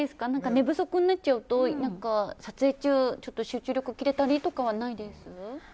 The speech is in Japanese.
寝不足になっちゃうと撮影中、集中力が切れたりとかないです？